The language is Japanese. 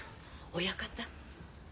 親方。